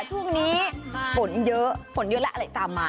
ช่วงนี้ฝนเยอะฝนเยอะและอะไรตามมา